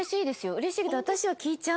嬉しいけど私は聞いちゃう。